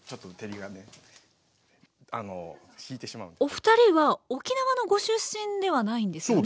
お二人は沖縄のご出身ではないんですよね？